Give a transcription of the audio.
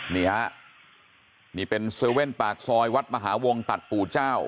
นี่ฮะนี่เป็น๗๑๑ปากซอยวัดมหาวงตัดปู่เจ้า